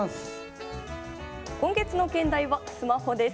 今月の兼題は「スマホ」です。